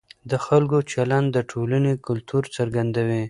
د خلکو چلند د ټولنې کلتور څرګندوي.